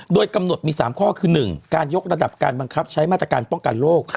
โดยกำหนดมี๓ข้อคือ๑การยกระดับการบังคับใช้มาตรการป้องกันโรค